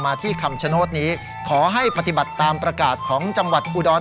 ที่คำชโนธนี้ขอให้ปฏิบัติตามประกาศของจังหวัดอุดร